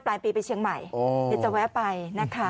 ปลายปีไปเชียงใหม่จะแวะไปนะครับ